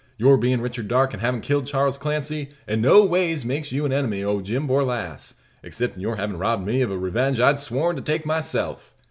Your bein' Richard Darke an' havin' killed Charles Clancy, in no ways makes you an enemy o' Jim Borlasse except in your havin' robbed me of a revenge I'd sworn to take myself.